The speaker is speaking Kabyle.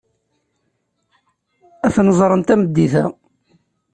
Ad ten-ẓren tameddit-a.